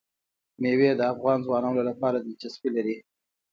مېوې د افغان ځوانانو لپاره دلچسپي لري.